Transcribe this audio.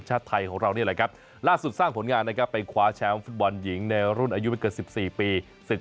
หลักสุดสร้างผลงานไปขวาแชมป์ฝุ่นบอลหญิงอายุไม่เกิน๑๔ปี